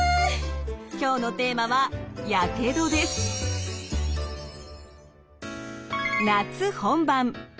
今日のテーマは夏本番！